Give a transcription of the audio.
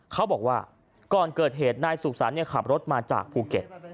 เขาบอกว่าก่อนเกิดเหตุนายสุขสรรค์ขับรถมาจากภูเก็ต